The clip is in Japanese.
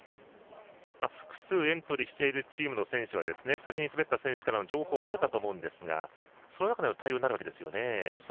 複数エントリーしているチームの選手は先に滑った選手からの情報もあるかと思うんですがその中での対応になるわけですね。